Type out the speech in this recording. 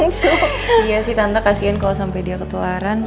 iya sih tante kasian kalau sampai dia ketularan